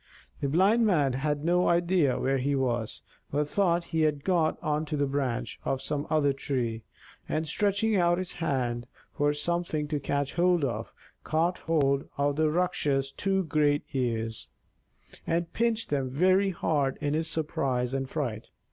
The Blind Man had no idea where he was, but thought he had got on to the branch of some other tree; and, stretching out his hand for something to catch hold of, caught hold of the Rakshas's two great ears, and pinched them very hard in his surprise and fright.